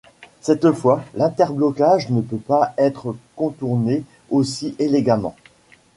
Cette fois, l'interblocage ne peut pas être contourné aussi élégamment.